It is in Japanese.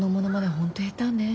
本当下手ねぇ。